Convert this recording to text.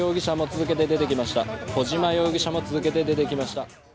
小島容疑者も続けて出てきました。